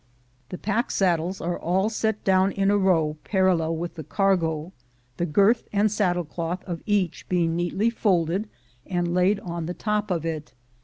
The pack saddles are all set down in a row parallel with the cargo, the girth and saddle cloth of each being neatly folded and laid on the top of it.